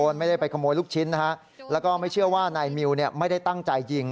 แล้วก็ไม่เชื่อว่านายมิวไม่ได้ตั้งใจยิง